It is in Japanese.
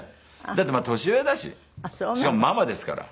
だってまあ年上だししかもママですから。